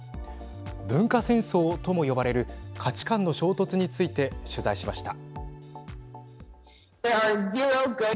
文化戦争とも呼ばれる価値観の衝突について取材しました。